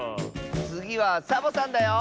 つぎはサボさんだよ。